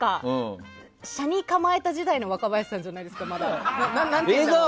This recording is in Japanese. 斜に構えた時代の若林さんじゃないですか。